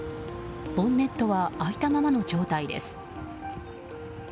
ボンネットは開いたままの状態です。